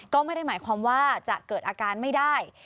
ก็ไม่ได้หมายความว่าจะเกิดอาการไม่ได้